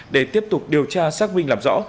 để tiếp tục điều tra xác minh làm rõ